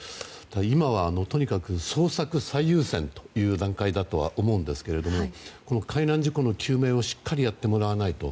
今はとにかく捜索最優先という段階だとは思うんですが海難事故の究明をしっかりやってもらわないと。